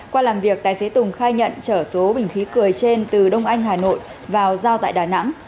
qua làm việc tài xế tùng khai nhận chở số bình khí cười trên từ đông anh hà nội vào giao tại đà nẵng